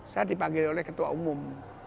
saya dipanggil oleh ketua umum